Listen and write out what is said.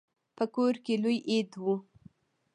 په کور کې لوی عید و.